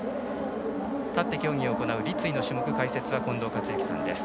立って競技を行う立位のクラス解説は近藤克之さんです。